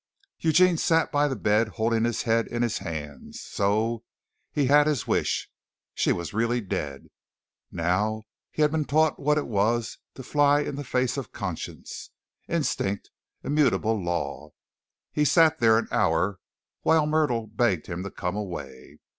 Eugene sat by the bed holding his head in his hands. So, he had his wish. She was really dead. Now he had been taught what it was to fly in the face of conscience, instinct, immutable law. He sat there an hour while Myrtle begged him to come away.